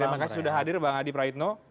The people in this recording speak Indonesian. terima kasih sudah hadir bang adi praitno